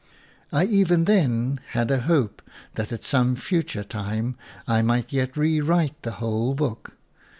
I even then had a hope that at some future time I might yet rewrite the whole book.